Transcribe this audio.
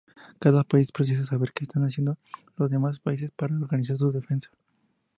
Cada país precisa saber que están haciendo los demás países para organizar su defensa.